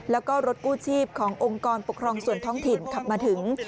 แล้วก็รถกู้ชีพขององค์กรปกครองส่วนท้องถิ่นขับมาถึง